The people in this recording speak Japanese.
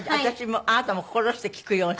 あなたも心して聞くように。